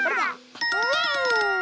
イエイー！